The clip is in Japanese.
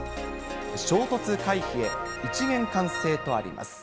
衝突回避へ、一元管制とあります。